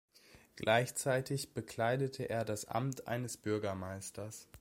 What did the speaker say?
Gleichzeitig bekleidete er das Amt eines Bürgermeisters.